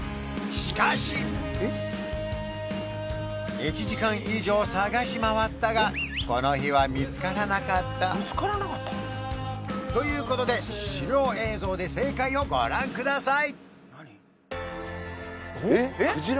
１時間以上探し回ったがこの日は見つからなかったということで資料映像で正解をご覧くださいクジラ？